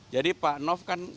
jadi pak nof kan